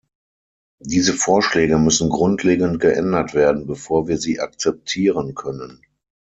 Diese Vorschläge müssen grundlegend geändert werden, bevor wir sie akzeptieren können.